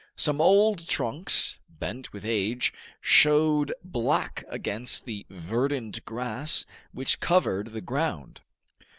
Some old trunks, bent with age, showed black against the verdant grass which covered the ground.